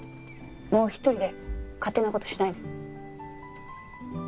もう一人で勝手な事しないで。